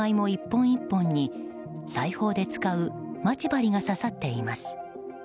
１本１本に裁縫で使うまち針が刺さっています。